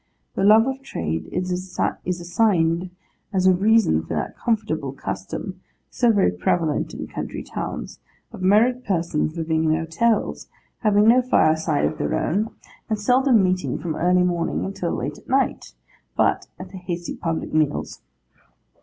The love of trade is assigned as a reason for that comfortless custom, so very prevalent in country towns, of married persons living in hotels, having no fireside of their own, and seldom meeting from early morning until late at night, but at the hasty public meals.